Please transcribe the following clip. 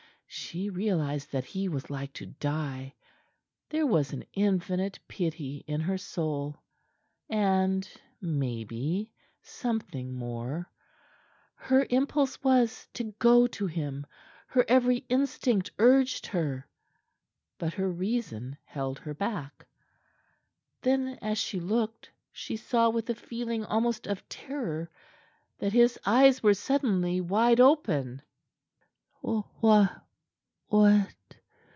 She realized that he was like to die. There was an infinite pity in her soul and, maybe, something more. Her impulse was to go to him; her every instinct urged her. But her reason held her back. Then, as she looked, she saw with a feeling almost of terror that his eyes were suddenly wide open. "Wha what?"